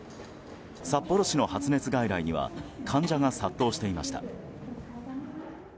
札幌市の発熱外来には患者が殺到していました。